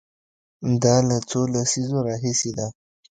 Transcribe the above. دا له څو لسیزو راهیسې ده.